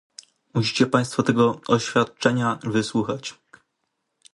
Musicie państwo tego oświadczenia wysłuchać